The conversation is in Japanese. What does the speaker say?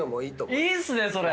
いいっすねそれ！